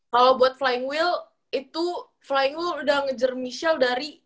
kalau buat flying wheel itu flying will udah ngejar michel dari